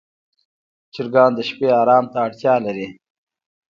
چرګان د شپې آرام ته اړتیا لري.